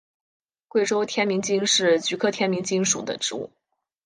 贵州天名精是菊科天名精属的植物。